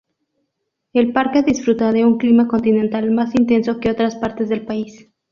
El parque disfruta de un clima continental más intenso que otras partes del país.